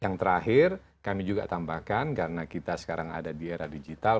yang terakhir kami juga tambahkan karena kita sekarang ada di era digital